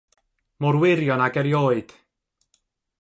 Mor wirion ag erioed!